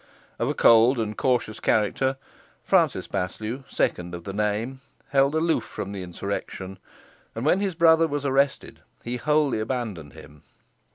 Of a cold and cautious character, Francis Paslew, second of the name, held aloof from the insurrection, and when his brother was arrested he wholly abandoned him.